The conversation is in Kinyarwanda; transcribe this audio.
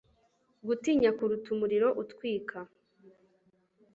Gutinya kuruta umuriro utwika